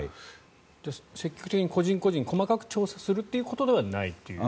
積極的に個人個人、細かく調査するということではないと。